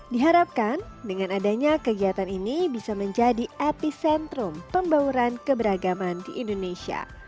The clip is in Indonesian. diharapkan dengan adanya kegiatan ini bisa menjadi epicentrum pembauran keberagaman di indonesia